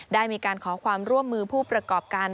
ได้มีการขอความร่วมมือผู้ประกอบการ